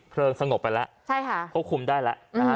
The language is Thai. เพลิงสงบไปแล้วใช่ค่ะก็คุ้มได้แล้วอืมนะคะ